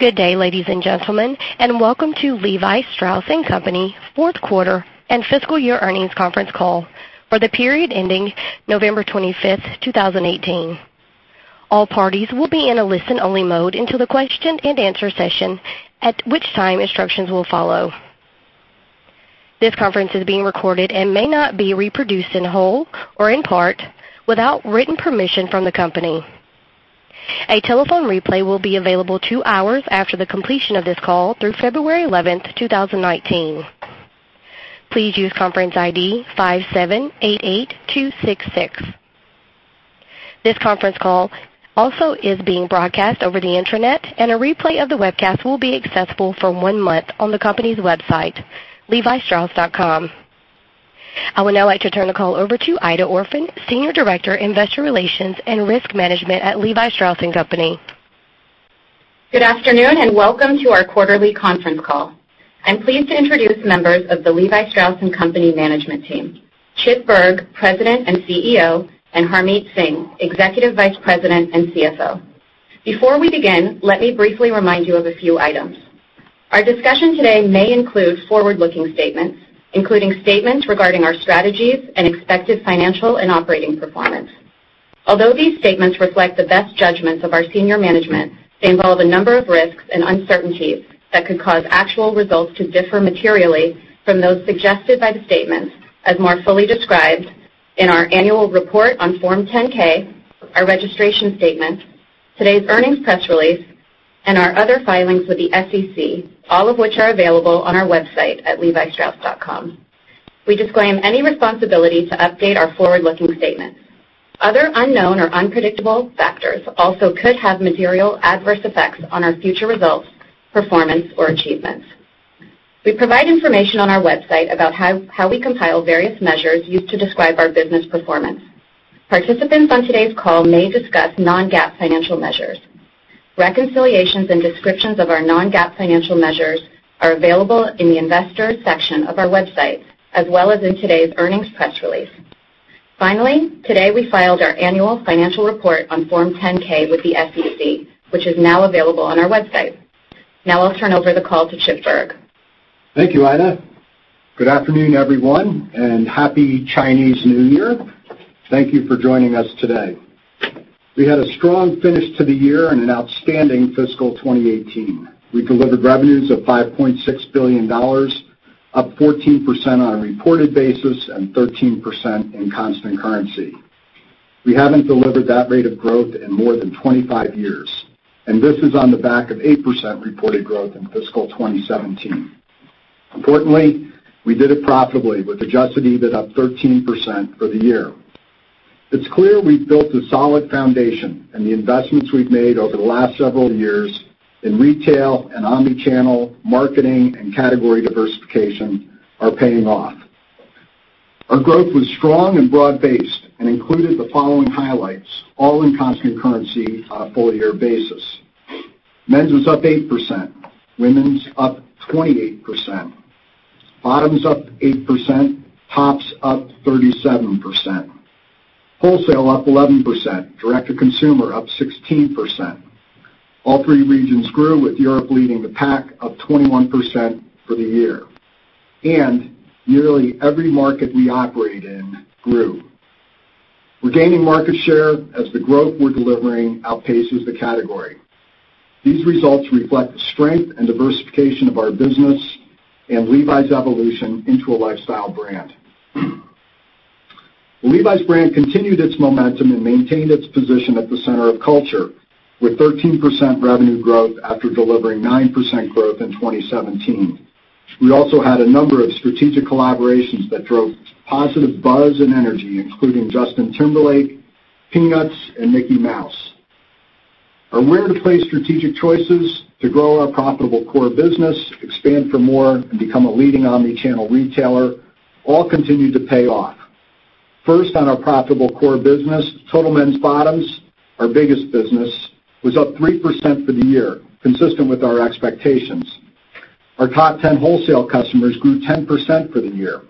Good day, ladies and gentlemen, and welcome to Levi Strauss & Co. fourth quarter and fiscal year earnings conference call for the period ending 25th November, 2018. All parties will be in a listen-only mode until the question and answer session, at which time instructions will follow. This conference is being recorded and may not be reproduced in whole or in part without written permission from the company. A telephone replay will be available two hours after the completion of this call through 11th February, 2019. Please use conference ID 5788266. This conference call also is being broadcast over the internet, and a replay of the webcast will be accessible for one month on the company's website, levistrauss.com. I would now like to turn the call over to Aida Orphan, Senior Director, Investor Relations and Risk Management at Levi Strauss & Co.. Good afternoon, welcome to our quarterly conference call. I'm pleased to introduce members of the Levi Strauss & Co. management team. Chip Bergh, President and CEO, and Harmit Singh, Executive Vice President and CFO. Before we begin, let me briefly remind you of a few items. Our discussion today may include forward-looking statements, including statements regarding our strategies and expected financial and operating performance. Although these statements reflect the best judgments of our senior management, they involve a number of risks and uncertainties that could cause actual results to differ materially from those suggested by the statements, as more fully described in our annual report on Form 10-K, our registration statement, today's earnings press release, and our other filings with the SEC, all of which are available on our website at levistrauss.com. We disclaim any responsibility to update our forward-looking statements. Other unknown or unpredictable factors also could have material adverse effects on our future results, performance, or achievements. We provide information on our website about how we compile various measures used to describe our business performance. Participants on today's call may discuss non-GAAP financial measures. Reconciliations and descriptions of our non-GAAP financial measures are available in the Investors section of our website, as well as in today's earnings press release. Finally, today we filed our annual financial report on Form 10-K with the SEC, which is now available on our website. Now I'll turn over the call to Chip Bergh. Thank you, Aida. Good afternoon, everyone, Happy Chinese New Year. Thank you for joining us today. We had a strong finish to the year and an outstanding fiscal 2018. We delivered revenues of $5.6 billion, up 14% on a reported basis and 13% in constant currency. We haven't delivered that rate of growth in more than 25 years, and this is on the back of 8% reported growth in fiscal 2017. Importantly, we did it profitably, with adjusted EBIT up 13% for the year. It's clear we've built a solid foundation. The investments we've made over the last several years in retail and omnichannel, marketing, and category diversification are paying off. Our growth was strong and broad-based included the following highlights, all in constant currency on a full-year basis. Men's was up 8%, women's up 28%, bottoms up 8%, tops up 37%, wholesale up 11%, direct-to-consumer up 16%. All three regions grew, with Europe leading the pack up 21% for the year. Nearly every market we operate in grew. We're gaining market share as the growth we're delivering outpaces the category. These results reflect the strength and diversification of our business and Levi's evolution into a lifestyle brand. Levi's brand continued its momentum and maintained its position at the center of culture with 13% revenue growth after delivering 9% growth in 2017. We also had a number of strategic collaborations that drove positive buzz and energy, including Justin Timberlake, Peanuts, and Mickey Mouse. Our where-to-play strategic choices to grow our profitable core business, expand for more, and become a leading omnichannel retailer all continued to pay off. First, on our profitable core business, total men's bottoms, our biggest business, was up 3% for the year, consistent with our expectations. Our top 10 wholesale customers grew 10% for the year.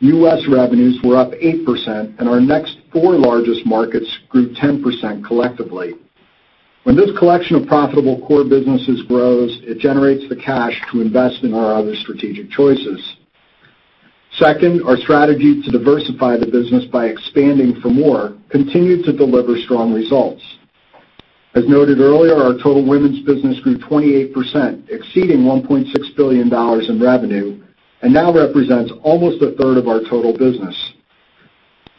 U.S. revenues were up 8%, and our next four largest markets grew 10% collectively. When this collection of profitable core businesses grows, it generates the cash to invest in our other strategic choices. Second, our strategy to diversify the business by expanding for more continued to deliver strong results. As noted earlier, our total women's business grew 28%, exceeding $1.6 billion in revenue, and now represents almost a third of our total business.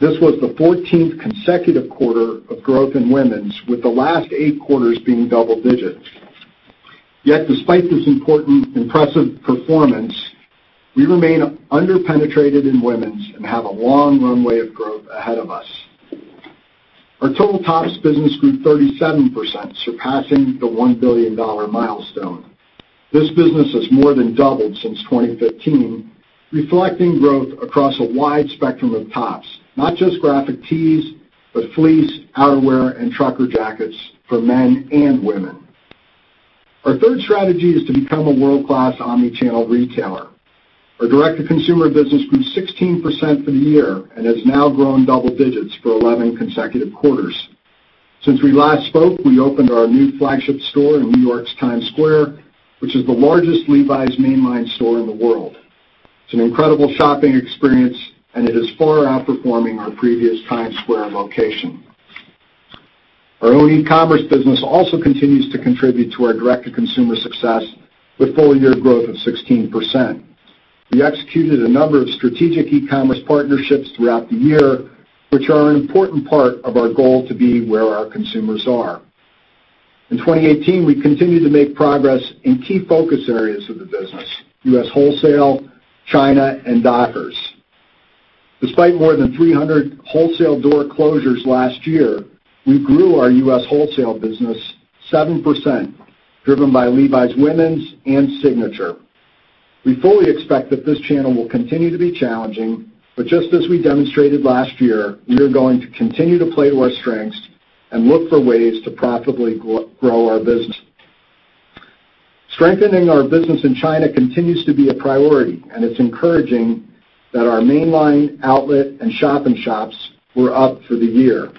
This was the 14th consecutive quarter of growth in women's, with the last eight quarters being double digits. Despite this important, impressive performance, we remain under-penetrated in women's and have a long runway of growth ahead of us. Our total tops business grew 37%, surpassing the $1 billion milestone. This business has more than doubled since 2015, reflecting growth across a wide spectrum of tops. Not just graphic tees, but fleece, outerwear, and trucker jackets for men and women. Our third strategy is to become a world-class omnichannel retailer. Our direct-to-consumer business grew 16% for the year and has now grown double digits for 11 consecutive quarters. Since we last spoke, we opened our new flagship store in New York's Times Square, which is the largest Levi's mainline store in the world. It is an incredible shopping experience, and it is far outperforming our previous Times Square location. Our own e-commerce business also continues to contribute to our direct-to-consumer success with full-year growth of 16%. We executed a number of strategic e-commerce partnerships throughout the year, which are an important part of our goal to be where our consumers are. In 2018, we continued to make progress in key focus areas of the business, U.S. wholesale, China, and Dockers. Despite more than 300 wholesale door closures last year, we grew our U.S. wholesale business 7%, driven by Levi's Women's and Signature. We fully expect that this channel will continue to be challenging, just as we demonstrated last year, we are going to continue to play to our strengths and look for ways to profitably grow our business. Strengthening our business in China continues to be a priority, it's encouraging that our mainline outlet and shop-in-shops were up for the year.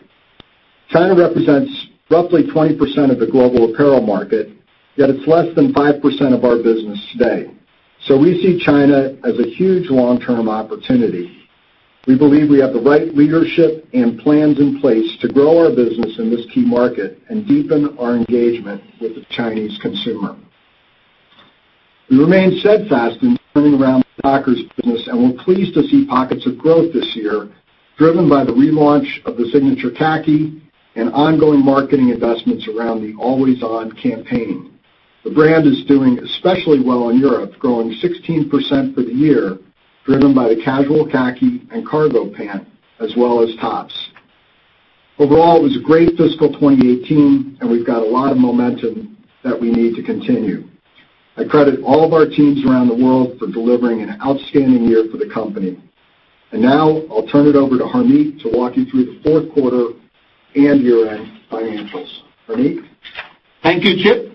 China represents roughly 20% of the global apparel market, yet it's less than 5% of our business today. We see China as a huge long-term opportunity. We believe we have the right leadership and plans in place to grow our business in this key market and deepen our engagement with the Chinese consumer. We remain steadfast in turning around the Dockers business and were pleased to see pockets of growth this year driven by the relaunch of the Signature khaki and ongoing marketing investments around the Always On campaign. The brand is doing especially well in Europe, growing 16% for the year, driven by the casual khaki and cargo pant, as well as tops. Overall, it was a great fiscal 2018, and we've got a lot of momentum that we need to continue. I credit all of our teams around the world for delivering an outstanding year for the company. Now I'll turn it over to Harmit to walk you through the fourth quarter and year-end financials. Harmit? Thank you, Chip,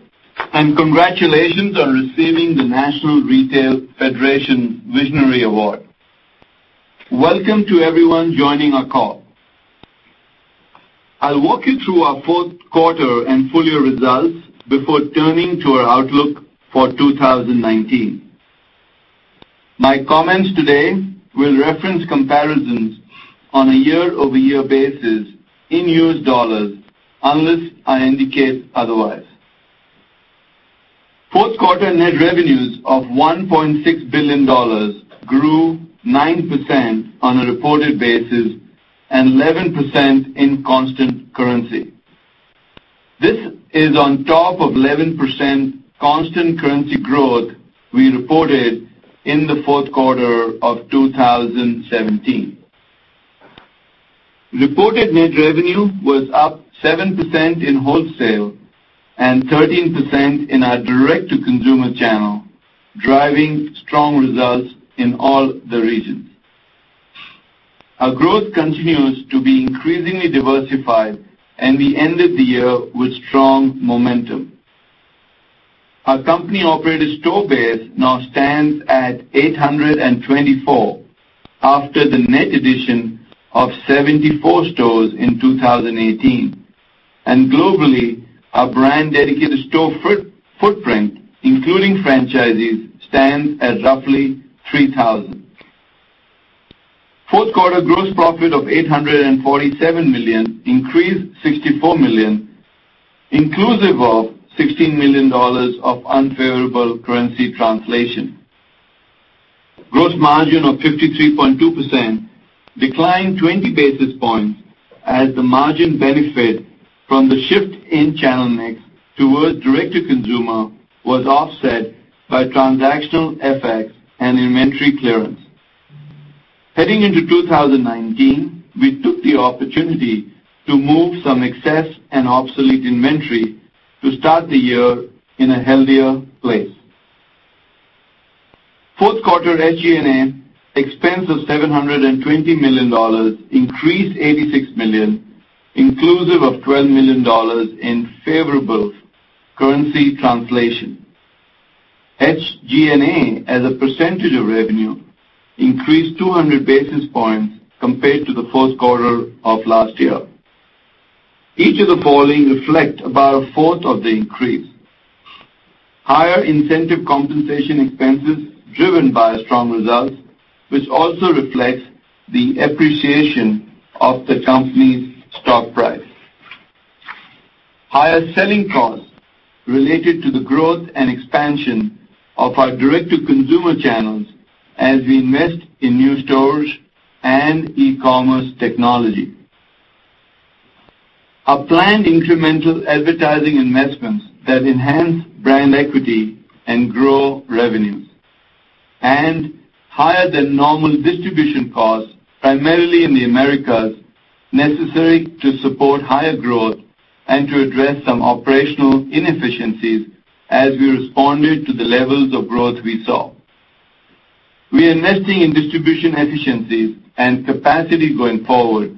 and congratulations on receiving the National Retail Federation Visionary Award. Welcome to everyone joining our call. I'll walk you through our fourth quarter and full-year results before turning to our outlook for 2019. My comments today will reference comparisons on a year-over-year basis in U.S. dollars unless I indicate otherwise. Fourth quarter net revenues of $1.6 billion grew 9% on a reported basis and 11% in constant currency. This is on top of 11% constant currency growth we reported in the fourth quarter of 2017. Reported net revenue was up 7% in wholesale and 13% in our direct-to-consumer channel, driving strong results in all the regions. Our growth continues to be increasingly diversified, and we ended the year with strong momentum. Our company-operated store base now stands at 824 after the net addition of 74 stores in 2018. And globally, our brand-dedicated store footprint, including franchisees, stands at roughly 3,000. Fourth quarter gross profit of $847 million increased $64 million, inclusive of $16 million of unfavorable currency translation. Gross margin of 53.2% declined 20 basis points as the margin benefit from the shift in channel mix towards direct to consumer was offset by transactional FX and inventory clearance. Heading into 2019, we took the opportunity to move some excess and obsolete inventory to start the year in a healthier place. Fourth quarter SG&A expense of $720 million increased $86 million, inclusive of $12 million in favorable currency translation. SG&A, as a percentage of revenue, increased 200 basis points compared to the fourth quarter of last year. Each of the following reflect about a fourth of the increase. Higher incentive compensation expenses driven by strong results, which also reflects the appreciation of the company's stock price. Higher selling costs related to the growth and expansion of our direct-to-consumer channels as we invest in new stores and e-commerce technology. Our planned incremental advertising investments that enhance brand equity and grow revenues. Higher than normal distribution costs, primarily in the Americas, necessary to support higher growth and to address some operational inefficiencies as we responded to the levels of growth we saw. We are investing in distribution efficiencies and capacity going forward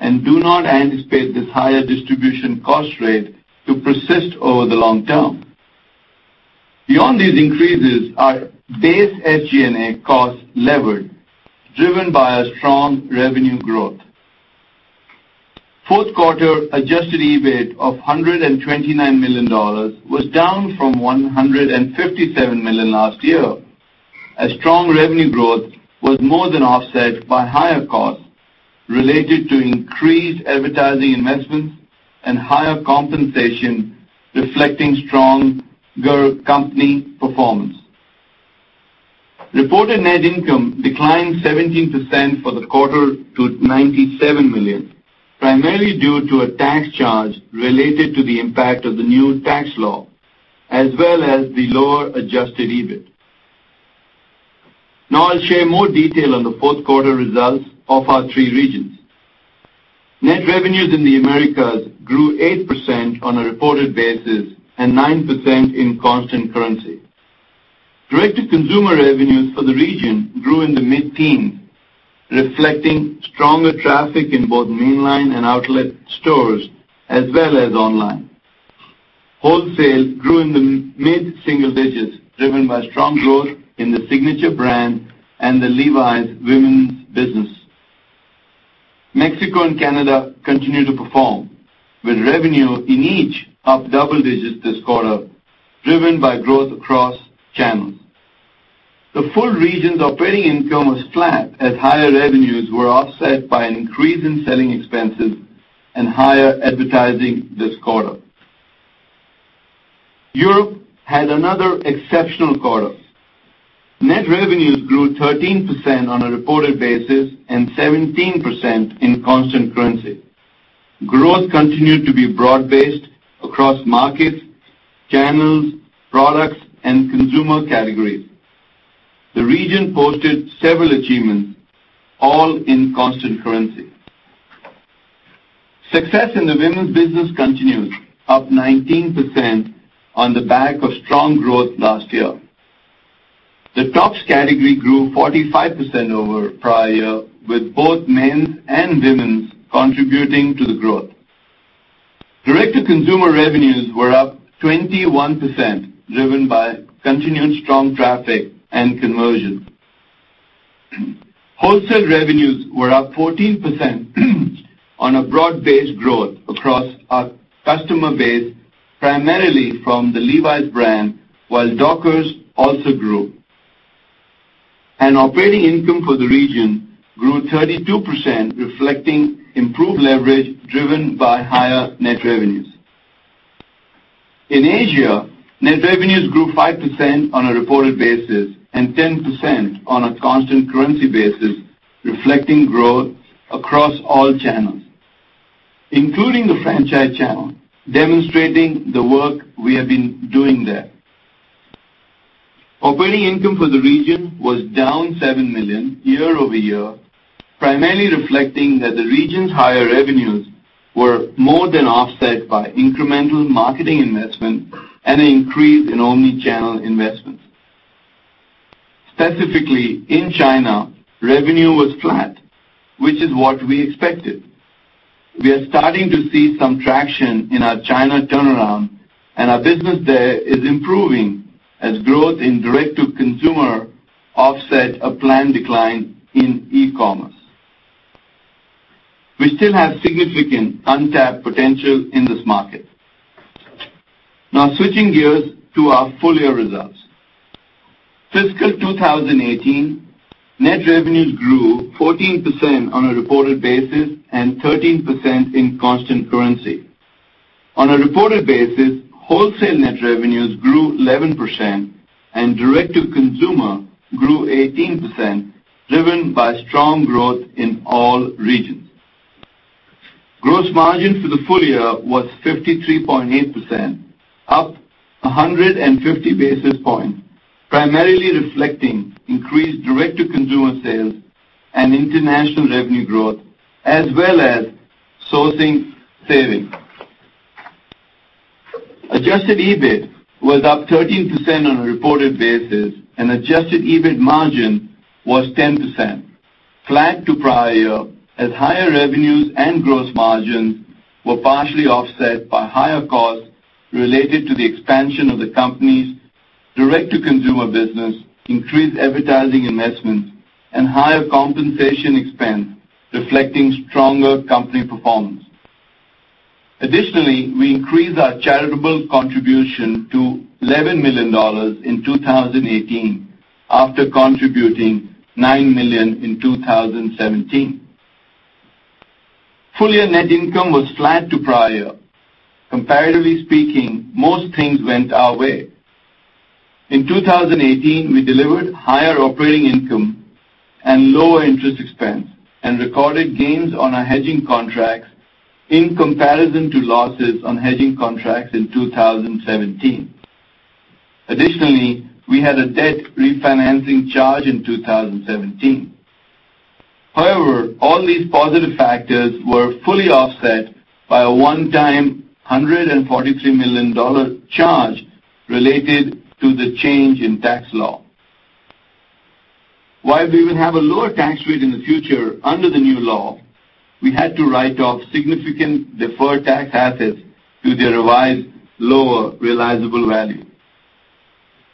and do not anticipate this higher distribution cost rate to persist over the long term. Beyond these increases, our base SG&A costs leveraged, driven by a strong revenue growth. Fourth quarter adjusted EBIT of $129 million was down from $157 million last year, as strong revenue growth was more than offset by higher costs related to increased advertising investments and higher compensation, reflecting strong company performance. Reported net income declined 17% for the quarter to $97 million, primarily due to a tax charge related to the impact of the new tax law, as well as the lower adjusted EBIT. I'll share more detail on the fourth quarter results of our three regions. Net revenues in the Americas grew 8% on a reported basis and 9% in constant currency. Direct-to-consumer revenues for the region grew in the mid-teens, reflecting stronger traffic in both mainline and outlet stores, as well as online. Wholesale grew in the mid-single digits, driven by strong growth in the Signature brand and the Levi's women's business. Mexico and Canada continue to perform, with revenue in each up double digits this quarter, driven by growth across channels. The full region's operating income was flat as higher revenues were offset by an increase in selling expenses and higher advertising this quarter. Europe had another exceptional quarter. Net revenues grew 13% on a reported basis and 17% in constant currency. Growth continued to be broad-based across markets, channels, products, and consumer categories. The region posted several achievements, all in constant currency. Success in the women's business continues, up 19% on the back of strong growth last year. The tops category grew 45% over prior year, with both men's and women's contributing to the growth. Direct-to-consumer revenues were up 21%, driven by continued strong traffic and conversion. Wholesale revenues were up 14% on a broad-based growth across our customer base, primarily from the Levi's brand, while Dockers also grew. Operating income for the region grew 32%, reflecting improved leverage driven by higher net revenues. In Asia, net revenues grew 5% on a reported basis and 10% on a constant currency basis, reflecting growth across all channels, including the franchise channel, demonstrating the work we have been doing there. Operating income for the region was down $7 million year-over-year, primarily reflecting that the region's higher revenues were more than offset by incremental marketing investment and an increase in omni-channel investments. Specifically in China, revenue was flat, which is what we expected. We are starting to see some traction in our China turnaround, and our business there is improving as growth in direct to consumer offset a planned decline in e-commerce. We still have significant untapped potential in this market. Switching gears to our full-year results. Fiscal 2018, net revenues grew 14% on a reported basis and 13% in constant currency. On a reported basis, wholesale net revenues grew 11% and direct to consumer grew 18%, driven by strong growth in all regions. Gross margin for the full year was 53.8%, up 150 basis points, primarily reflecting increased direct-to-consumer sales and international revenue growth, as well as sourcing savings. Adjusted EBIT was up 13% on a reported basis, and adjusted EBIT margin was 10%, flat to prior year as higher revenues and gross margins were partially offset by higher costs related to the expansion of the company's direct-to-consumer business, increased advertising investments, and higher compensation expense reflecting stronger company performance. Additionally, we increased our charitable contribution to $11 million in 2018 after contributing $9 million in 2017. Full-year net income was flat to prior year. Comparatively speaking, most things went our way. In 2018, we delivered higher operating income and lower interest expense and recorded gains on our hedging contracts in comparison to losses on hedging contracts in 2017. Additionally, we had a debt refinancing charge in 2017. All these positive factors were fully offset by a one-time $143 million charge related to the change in tax law. While we will have a lower tax rate in the future under the new law, we had to write off significant deferred tax assets due to their revised lower realizable value.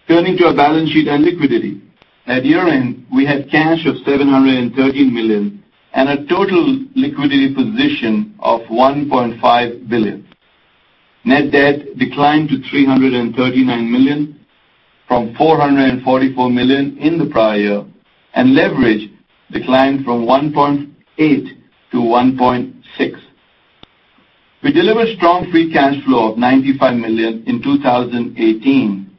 Turning to our balance sheet and liquidity. At year-end, we had cash of $730 million and a total liquidity position of $1.5 billion. Net debt declined to $339 million from $444 million in the prior year, and leverage declined from 1.8-1.6. We delivered strong free cash flow of $95 million in 2018,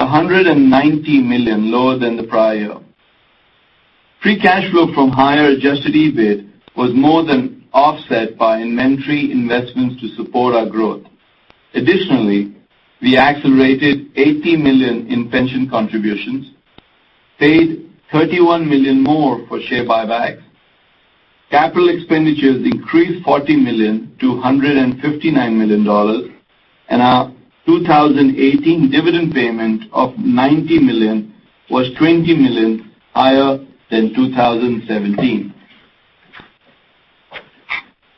$190 million lower than the prior year. Free cash flow from higher adjusted EBIT was more than offset by inventory investments to support our growth. Additionally, we accelerated $80 million in pension contributions, paid $31 million more for share buybacks. Capital expenditures increased $40 million to $159 million. Our 2018 dividend payment of $90 million was $20 million higher than 2017.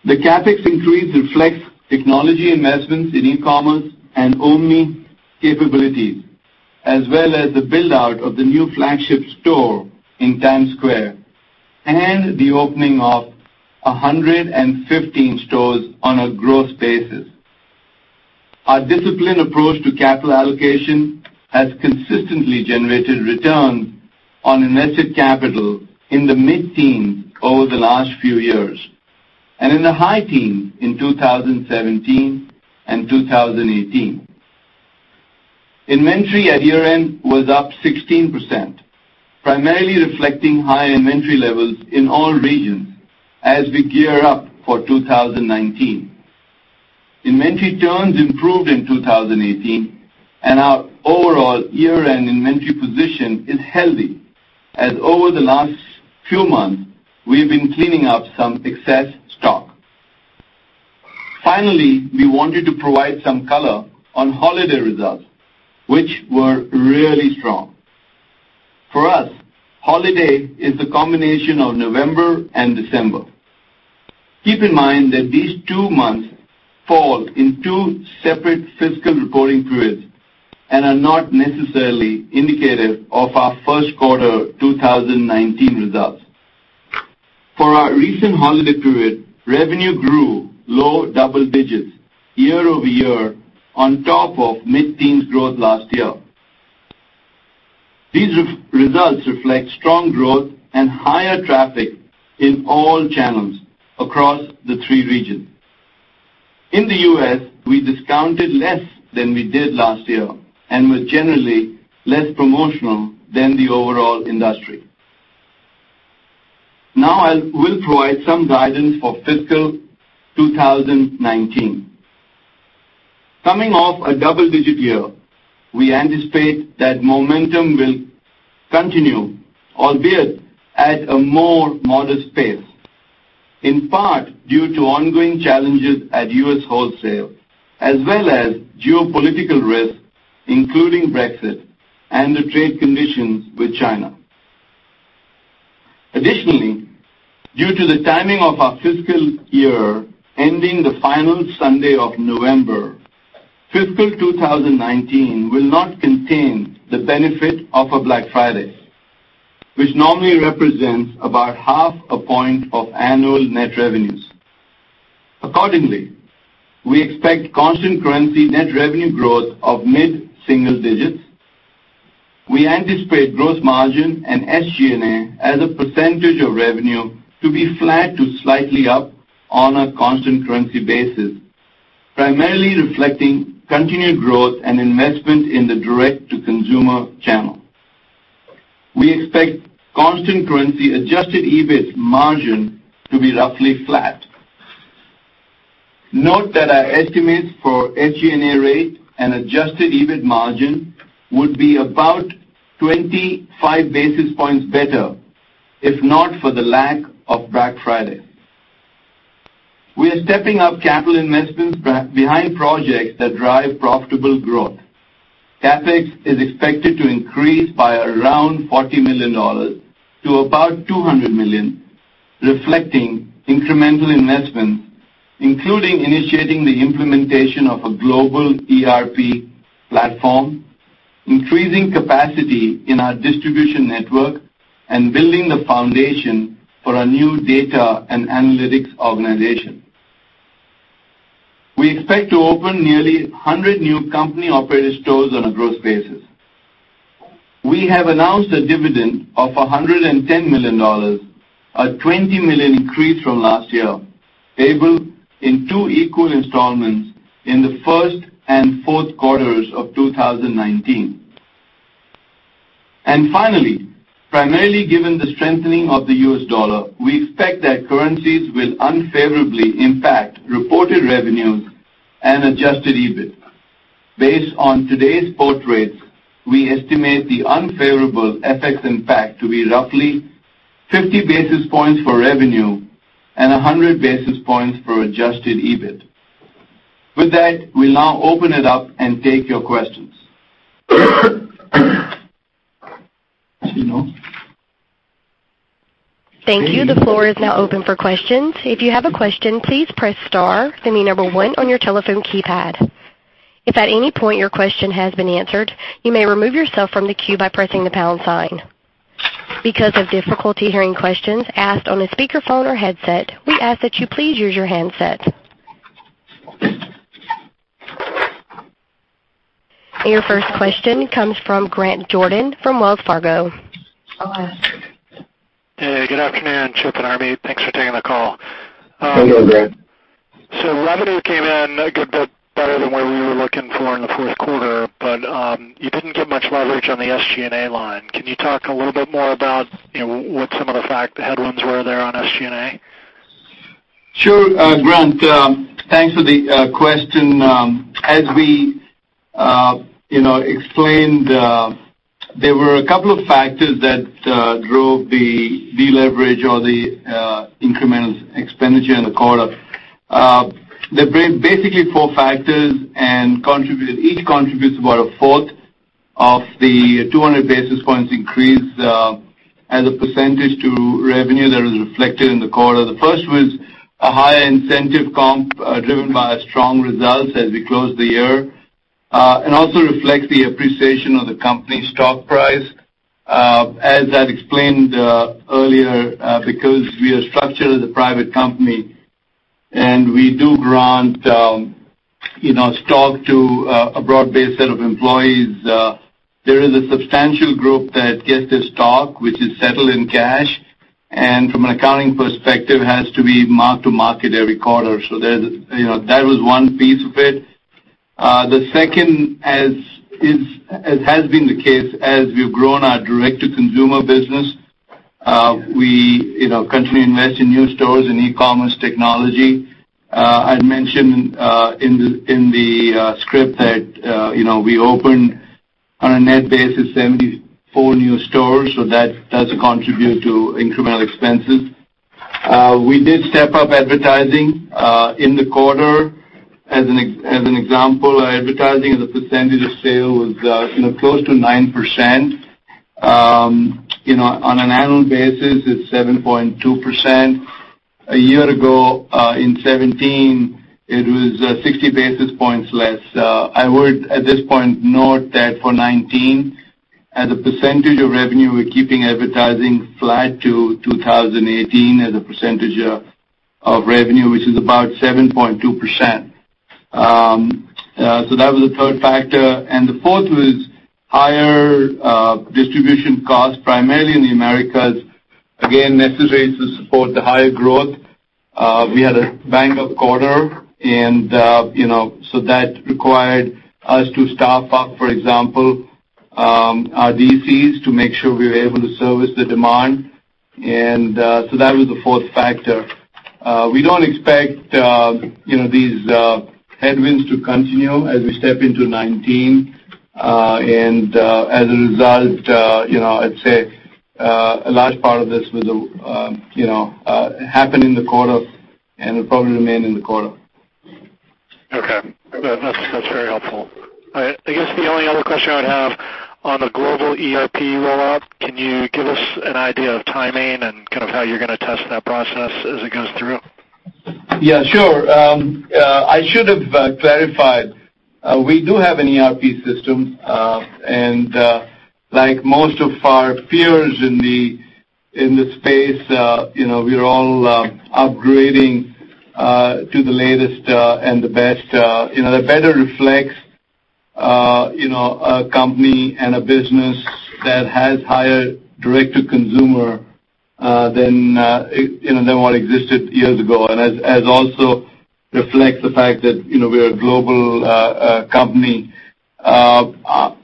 The CapEx increase reflects technology investments in e-commerce and omni capabilities, as well as the build-out of the new flagship store in Times Square, and the opening of 115 stores on a gross basis. Our disciplined approach to capital allocation has consistently generated return on invested capital in the mid-teens over the last few years, and in the high teens in 2017 and 2018. Inventory at year-end was up 16%, primarily reflecting high inventory levels in all regions as we gear up for 2019. Inventory turns improved in 2018, and our overall year-end inventory position is healthy, as over the last few months, we've been cleaning up some excess stock. Finally, we wanted to provide some color on holiday results, which were really strong. For us, holiday is a combination of November and December. Keep in mind that these two months fall in two separate fiscal reporting periods and are not necessarily indicative of our first quarter 2019 results. For our recent holiday period, revenue grew low double digits year-over-year on top of mid-teens growth last year. These results reflect strong growth and higher traffic in all channels across the three regions. In the U.S., we discounted less than we did last year and were generally less promotional than the overall industry. I will provide some guidance for fiscal 2019. Coming off a double-digit year, we anticipate that momentum will continue, albeit at a more modest pace, in part due to ongoing challenges at U.S. wholesale, as well as geopolitical risks, including Brexit and the trade conditions with China. Additionally, due to the timing of our fiscal year ending the final Sunday of November, fiscal 2019 will not contain the benefit of a Black Friday, which normally represents about half a point of annual net revenues. Accordingly, we expect constant currency net revenue growth of mid-single digits. We anticipate gross margin and SG&A as a percentage of revenue to be flat to slightly up on a constant currency basis, primarily reflecting continued growth and investment in the direct-to-consumer channel. We expect constant currency adjusted EBIT margin to be roughly flat. Note that our estimates for SG&A rate and adjusted EBIT margin would be about 25 basis points better if not for the lack of Black Friday. We are stepping up capital investments behind projects that drive profitable growth. CapEx is expected to increase by around $40 million to about $200 million, reflecting incremental investments, including initiating the implementation of a global ERP platform, increasing capacity in our distribution network, and building the foundation for a new data and analytics organization. We expect to open nearly 100 new company-operated stores on a gross basis. We have announced a dividend of $110 million, a $20 million increase from last year, payable in two equal installments in the first and fourth quarters of 2019. Finally, primarily given the strengthening of the U.S. dollar, we expect that currencies will unfavorably impact reported revenues and adjusted EBIT. Based on today's spot rates, we estimate the unfavorable FX impact to be roughly 50 basis points for revenue and 100 basis points for adjusted EBIT. With that, we'll now open it up and take your questions. Shino? Thank you. The floor is now open for questions. If you have a question, please press star, then the number one on your telephone keypad. If at any point your question has been answered, you may remove yourself from the queue by pressing the pound sign. Because of difficulty hearing questions asked on a speakerphone or headset, we ask that you please use your handset. Your first question comes from Grant Jordan from Wells Fargo. Hey, good afternoon, Chip and Harmit. Thanks for taking the call. Hey, Grant. Revenue came in a good bit better than what we were looking for in the fourth quarter, you didn't get much leverage on the SG&A line. Can you talk a little bit more about what some of the headwinds were there on SG&A? Sure, Grant. Thanks for the question. We explained, there were a couple of factors that drove the deleverage or the incremental expenditure in the quarter. There are basically four factors, each contributes about a fourth of the 200 basis points increase as a percentage to revenue that is reflected in the quarter. The first was a higher incentive comp driven by strong results as we closed the year, also reflects the appreciation of the company stock price. I've explained earlier, because we are structured as a private company we do grant stock to a broad-based set of employees, there is a substantial group that gets the stock, which is settled in cash, from an accounting perspective, has to be marked to market every quarter. That was one piece of it. The second, as has been the case as we've grown our direct-to-consumer business, we continue to invest in new stores and e-commerce technology. I mentioned in the script that we opened on a net basis 74 new stores, that does contribute to incremental expenses. We did step up advertising in the quarter. An example, our advertising as a percentage of sale was close to 9%. On an annual basis, it's 7.2%. A year ago, in 2017, it was 60 basis points less. I would, at this point, note that for 2019, as a percentage of revenue, we're keeping advertising flat to 2018 as a percentage of revenue, which is about 7.2%. That was the third factor. The fourth was higher distribution costs, primarily in the Americas. Again, necessary to support the higher growth. We had a bang-up quarter, that required us to staff up, for example, our DCs to make sure we were able to service the demand. That was the fourth factor. We don't expect these headwinds to continue as we step into 2019. I'd say a large part of this happened in the quarter and will probably remain in the quarter. Okay. That's very helpful. I guess the only other question I would have, on the global ERP rollout, can you give us an idea of timing and kind of how you're going to test that process as it goes through? Yeah, sure. I should have clarified. We do have an ERP system. Like most of our peers in the space, we are all upgrading to the latest and the best. It better reflects a company and a business that has higher direct to consumer than what existed years ago, and as also reflects the fact that we are a global company. We are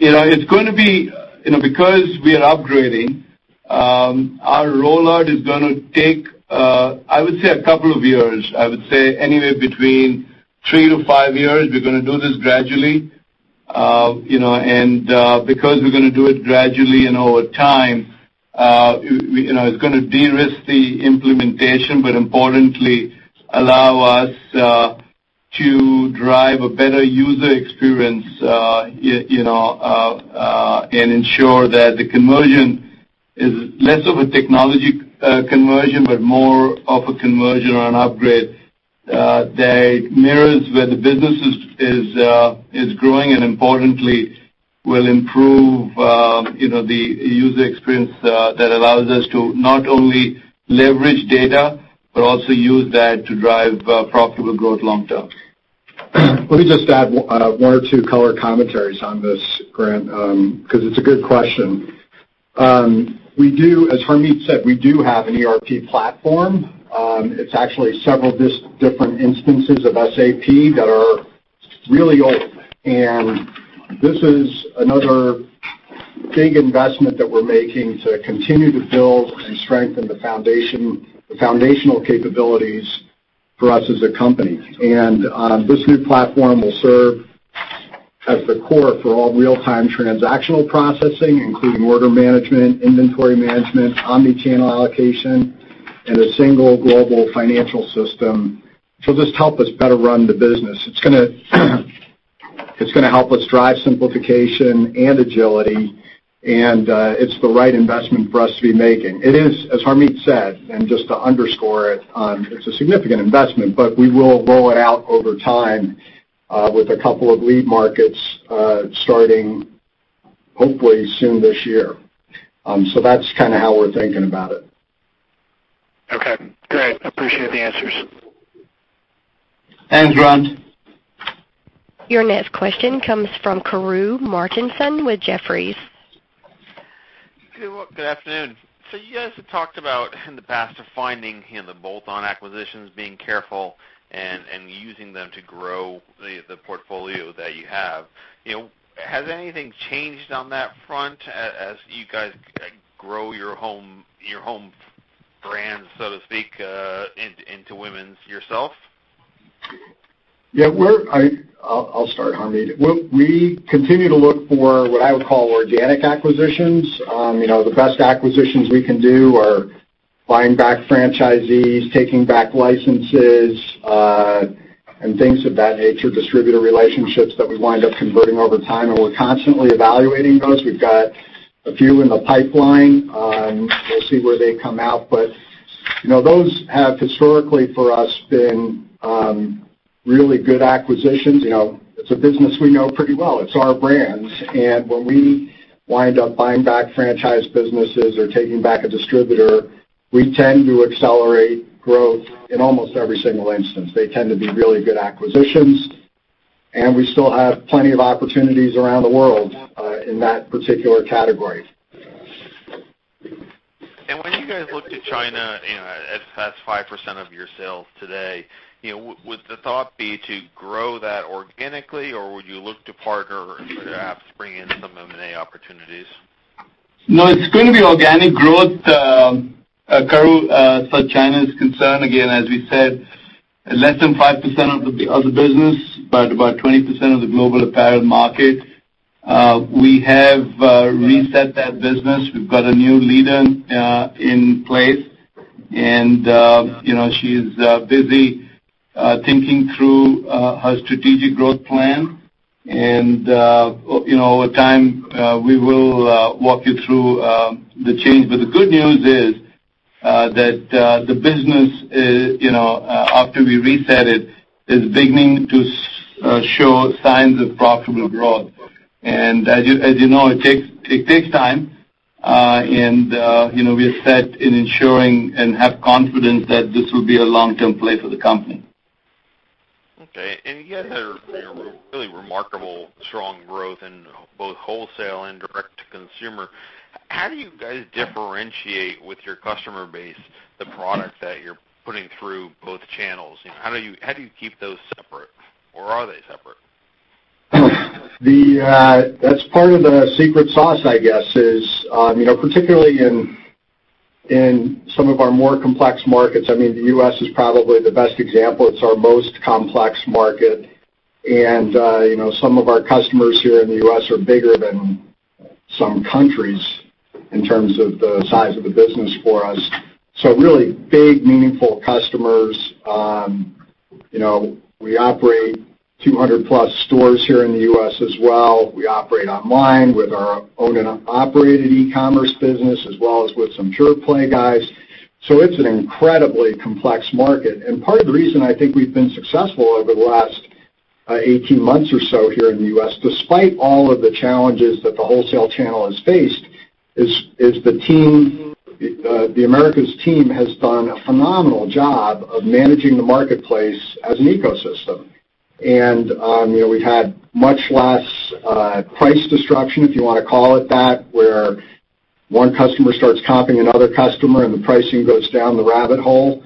upgrading, our rollout is going to take, I would say, a couple of years. I would say anywhere between three to five years. We're going to do this gradually. Because we're going to do it gradually and over time, it's going to de-risk the implementation, importantly, allow us to drive a better user experience, ensure that the conversion is less of a technology conversion, more of a conversion or an upgrade that mirrors where the business is growing, importantly, will improve the user experience that allows us to not only leverage data, also use that to drive profitable growth long term. Let me just add one or two color commentaries on this, Grant, because it's a good question. As Harmit said, we do have an ERP platform. It's actually several different instances of SAP that are really old, and this is another big investment that we're making to continue to build and strengthen the foundational capabilities for us as a company. This new platform will serve as the core for all real-time transactional processing, including order management, inventory management, omni-channel allocation, and a single global financial system to just help us better run the business. It's going to help us drive simplification and agility. It's the right investment for us to be making. It is, as Harmit said, just to underscore it's a significant investment, but we will roll it out over time with a couple of lead markets starting hopefully soon this year. That's how we're thinking about it. Okay, great. Appreciate the answers. Thanks, Grant. Your next question comes from Karru Martinson with Jefferies. Good afternoon. You guys have talked about in the past, finding the bolt-on acquisitions, being careful and using them to grow the portfolio that you have. Has anything changed on that front as you guys grow your home brand, so to speak, into women's yourself? Yeah. I'll start, Harmit. We continue to look for what I would call organic acquisitions. The best acquisitions we can do are buying back franchisees, taking back licenses, and things of that nature, distributor relationships that we wind up converting over time, and we're constantly evaluating those. We've got a few in the pipeline, and we'll see where they come out. Those have historically for us been really good acquisitions. It's a business we know pretty well. It's our brands. When we wind up buying back franchise businesses or taking back a distributor, we tend to accelerate growth in almost every single instance. They tend to be really good acquisitions, and we still have plenty of opportunities around the world in that particular category. When you guys look to China, as that's 5% of your sales today, would the thought be to grow that organically, or would you look to partner or perhaps bring in some M&A opportunities? No, it's going to be organic growth, Karru. China's concern, again, as we said, less than 5% of the business, but about 20% of the global apparel market. We have reset that business. We've got a new leader in place, and she's busy thinking through her strategic growth plan. Over time, we will walk you through the change. The good news is that the business, after we reset it, is beginning to show signs of profitable growth. As you know, it takes time. We are set in ensuring and have confidence that this will be a long-term play for the company. Okay. You guys have really remarkable, strong growth in both wholesale and direct-to-consumer. How do you guys differentiate with your customer base, the product that you're putting through both channels? How do you keep those separate, or are they separate? That's part of the secret sauce, I guess, is, particularly in some of our more complex markets. The U.S. is probably the best example. It's our most complex market. Some of our customers here in the U.S. are bigger than some countries in terms of the size of the business for us. Really big, meaningful customers. We operate 200+ stores here in the U.S. as well. We operate online with our own and operated e-commerce business, as well as with some pure play guys. It's an incredibly complex market. Part of the reason I think we've been successful over the last 18 months or so here in the U.S., despite all of the challenges that the wholesale channel has faced, is the Americas team has done a phenomenal job of managing the marketplace as an ecosystem. We've had much less price disruption, if you want to call it that, where one customer starts copying another customer and the pricing goes down the rabbit hole.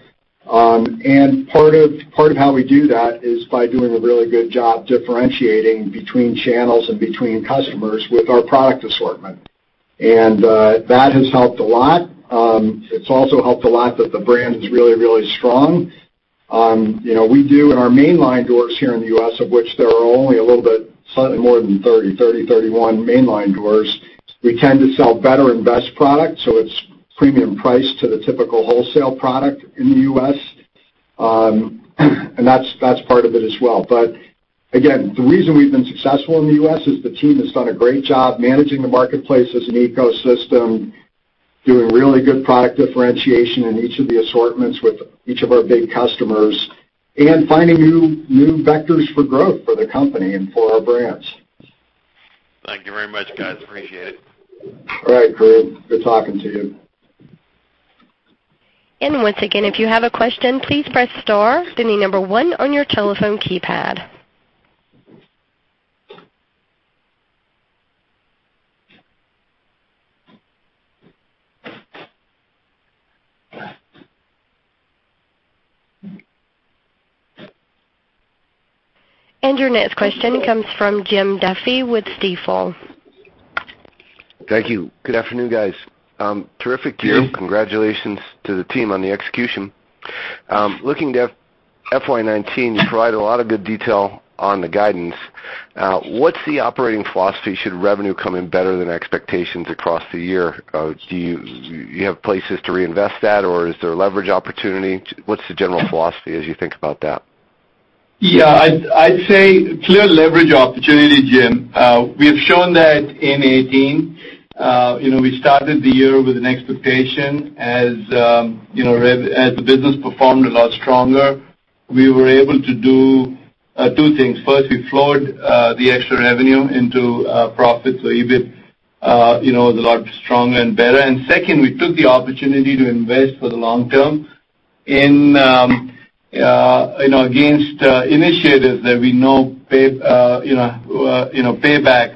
Part of how we do that is by doing a really good job differentiating between channels and between customers with our product assortment. That has helped a lot. It's also helped a lot that the brand is really, really strong. We do in our mainline doors here in the U.S., of which there are only a little bit, slightly more than 30, 31 mainline doors. We tend to sell better and best product, so it's premium price to the typical wholesale product in the U.S. That's part of it as well. Again, the reason we've been successful in the U.S. is the team has done a great job managing the marketplace as an ecosystem, doing really good product differentiation in each of the assortments with each of our big customers, and finding new vectors for growth for the company and for our brands. Thank you very much, guys. Appreciate it. All right, Karru. Good talking to you. Once again, if you have a question, please press star then the number 1 on your telephone keypad. Your next question comes from Jim Duffy with Stifel. Thank you. Good afternoon, guys. Terrific quarter. Congratulations to the team on the execution. Looking at FY 2019, you provide a lot of good detail on the guidance. What's the operating philosophy should revenue come in better than expectations across the year? Do you have places to reinvest that, or is there a leverage opportunity? What's the general philosophy as you think about that? Yeah. I'd say clear leverage opportunity, Jim. We have shown that in 2018. We started the year with an expectation. As the business performed a lot stronger, we were able to do two things. First, we flowed the extra revenue into profits, EBIT is a lot stronger and better. Second, we took the opportunity to invest for the long term against initiatives that we know pay back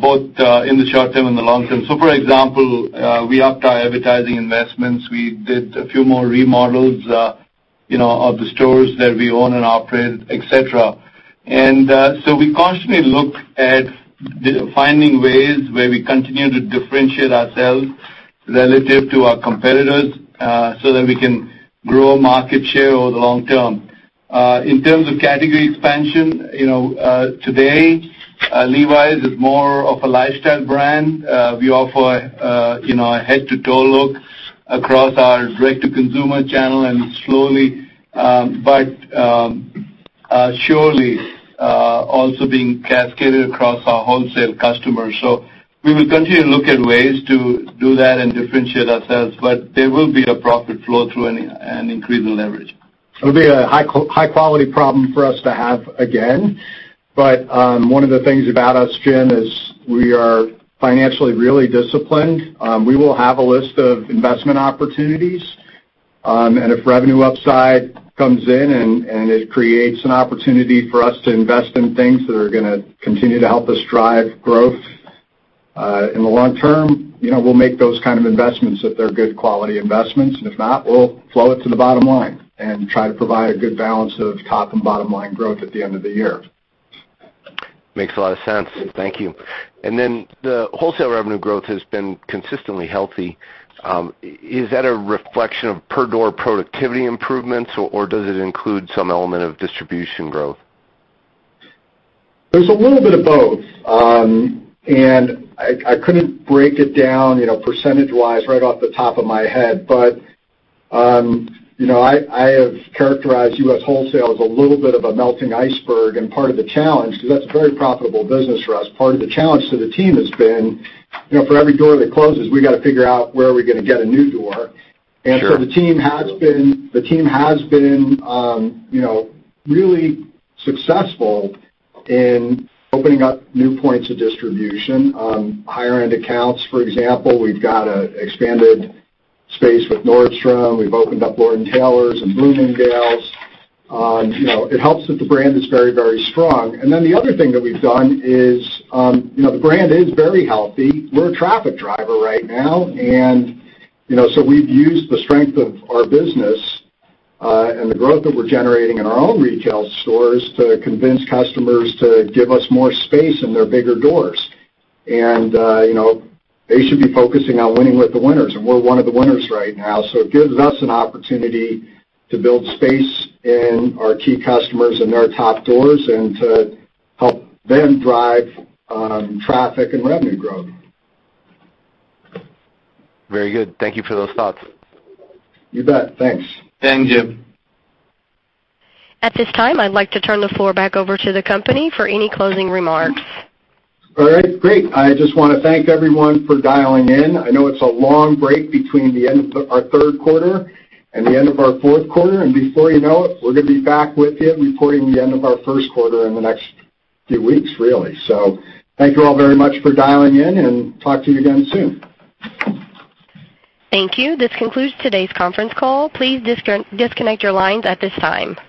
both in the short term and the long term. For example, we upped our advertising investments. We did a few more remodels of the stores that we own and operate, et cetera. We constantly look at finding ways where we continue to differentiate ourselves relative to our competitors, so that we can grow market share over the long term. In terms of category expansion, today Levi's is more of a lifestyle brand. We offer a head-to-toe look across our direct-to-consumer channel, slowly but surely, also being cascaded across our wholesale customers. We will continue to look at ways to do that and differentiate ourselves, but there will be the profit flow through and increase in leverage. It'll be a high-quality problem for us to have again. One of the things about us, Jim, is we are financially really disciplined. We will have a list of investment opportunities, and if revenue upside comes in and it creates an opportunity for us to invest in things that are gonna continue to help us drive growth in the long term, we'll make those kind of investments if they're good quality investments. If not, we'll flow it to the bottom line and try to provide a good balance of top and bottom-line growth at the end of the year. Makes a lot of sense. Thank you. The wholesale revenue growth has been consistently healthy. Is that a reflection of per door productivity improvements, or does it include some element of distribution growth? There's a little bit of both. I couldn't break it down percentage-wise right off the top of my head, but I have characterized U.S. wholesale as a little bit of a melting iceberg and part of the challenge, because that's a very profitable business for us. Part of the challenge to the team has been, for every door that closes, we got to figure out where are we gonna get a new door. Sure. The team has been really successful in opening up new points of distribution. Higher-end accounts, for example, we've got an expanded space with Nordstrom. We've opened up Lord & Taylor and Bloomingdale's. It helps that the brand is very, very strong. The other thing that we've done is, the brand is very healthy. We're a traffic driver right now. We've used the strength of our business, and the growth that we're generating in our own retail stores to convince customers to give us more space in their bigger doors. They should be focusing on winning with the winners, and we're one of the winners right now. It gives us an opportunity to build space in our key customers and their top doors and to help them drive traffic and revenue growth. Very good. Thank you for those thoughts. You bet. Thanks. Thanks, Jim. At this time, I'd like to turn the floor back over to the company for any closing remarks. All right. Great. I just want to thank everyone for dialing in. I know it's a long break between the end of our third quarter and the end of our fourth quarter. Before you know it, we're gonna be back with you reporting the end of our first quarter in the next few weeks, really. Thank you all very much for dialing in, and talk to you again soon. Thank you. This concludes today's conference call. Please disconnect your lines at this time.